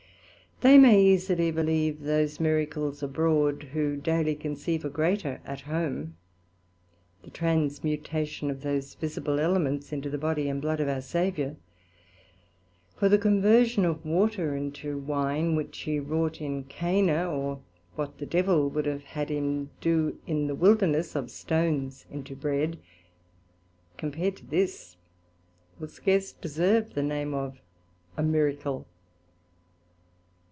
They may easily believe those Miracles abroad, who daily conceive a greater at home, the transmutation of those visible elements into the Body and Blood of our Saviour: for the conversion of Water into Wine, which he wrought in Cana, or what the Devil would have had him done in the Wilderness, of Stones into Bread, compared to this, will scarce deserve the name of a Miracle.